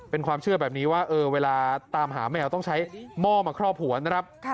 เป็นความเชื่อแบบนี้ว่าเวลาตามหาแมวต้องใช้หม้อมาครอบหัวนะครับ